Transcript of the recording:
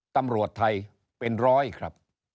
ตำรวจไทยเป็นร้อยครับ